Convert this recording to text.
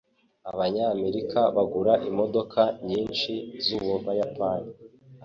Abanyamerika bagura imodoka nyinshi zUbuyapani.